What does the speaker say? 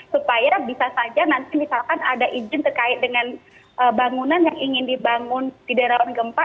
supaya bisa saja nanti misalkan ada izin terkait dengan bangunan yang ingin dibangun di daerah gempa